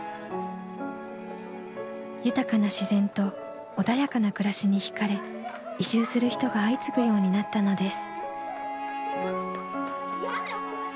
豊かな自然と穏やかな暮らしにひかれ移住する人が相次ぐようになったのです。